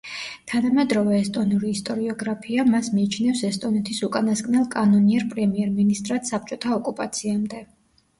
თანამედროვე ესტონური ისტორიოგრაფია მას მიიჩნევს ესტონეთის უკანასკნელ კანონიერ პრემიერ-მინისტრად საბჭოთა ოკუპაციამდე.